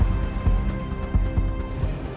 aku lagi nyelidikin kasus pembunuhan ya roy